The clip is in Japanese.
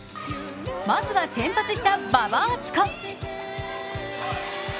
まずは先発した馬場敦子。